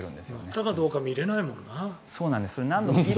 来たかどうか見れないもんな。